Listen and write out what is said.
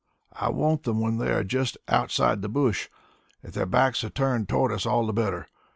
"I want them when they are just outside the bush. If their backs are turned toward us, all the better.